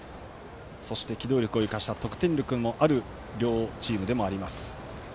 そして、機動力を生かした得点力もある両チームでもあります。